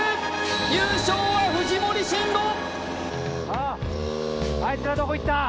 優勝は藤森慎吾！